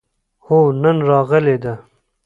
هو، نن راغلې ده